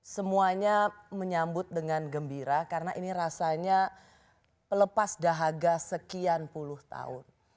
semuanya menyambut dengan gembira karena ini rasanya pelepas dahaga sekian puluh tahun